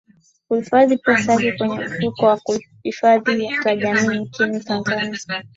kuhifadhi pesa yake kwenye mfuko wa hifadhi za jamii nchini tanzania